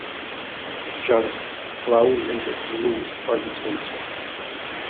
Jealous, Raoul enters the room to find it empty.